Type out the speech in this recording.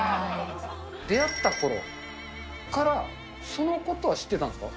出会ったころからそのことは知ってたんですか？